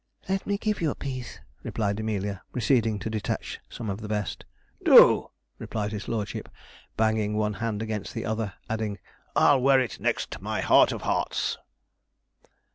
'Let me give you a piece,' replied Amelia, proceeding to detach some of the best. 'Do,' replied his lordship, banging one hand against the other, adding, 'I'll wear it next my heart of hearts.'